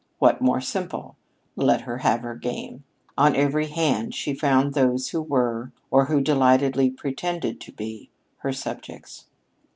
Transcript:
What more simple? Let her have her game. On every hand she found those who were or who delightedly pretended to be her subjects.